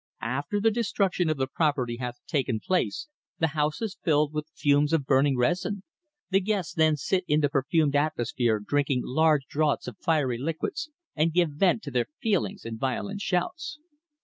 After the destruction of the property hath taken place the house is filled with the fumes of burning resin. The guests then sit in the perfumed atmosphere drinking large draughts of fiery liquids and give vent to their feelings in violent shouts."